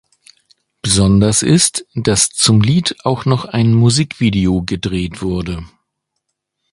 Besonders ist, dass zum Lied auch noch ein Musikvideo gedreht wurde.